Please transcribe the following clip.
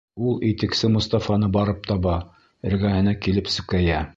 Ул итексе Мостафаны барып таба, эргәһенә килеп сүкәйә: